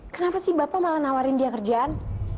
kenapa sih bapak malah nawarin dia kerjaan